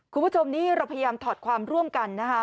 คุณผู้ชมนี่เราพยายามถอดความร่วมกันนะคะ